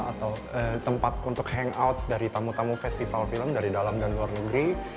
atau tempat untuk hangout dari tamu tamu festival film dari dalam dan luar negeri